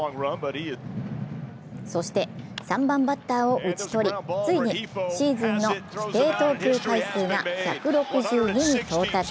そして３番バッターを打ち取り、ついにシーズンの規定投球回数が１６２に到達。